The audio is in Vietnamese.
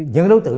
những đối tượng